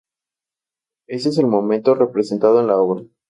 Ese es el momento representado en la obra.